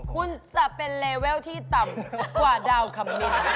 คุณจะเป็นเลเวลที่ต่ำกว่าดาวคำมิน